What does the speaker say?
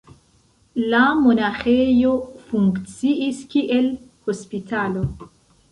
La monaĥejo funkciis kiel hospitalo.